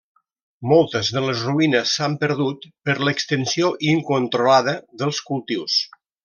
Moltes de les ruïnes s'han perdut per l'extensió incontrolada dels cultius.